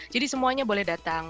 jadi semuanya boleh datang